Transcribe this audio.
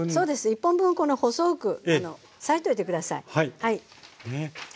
１本分を細く裂いておいて下さい。